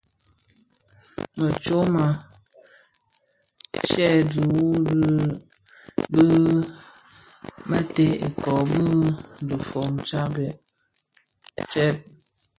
Më tyoma tse dhihuu bë mèètèn ikōō bi dhifōn tsèb.